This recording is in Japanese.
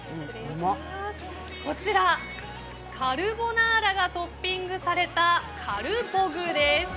こちら、カルボナーラがトッピングされたカルボグです。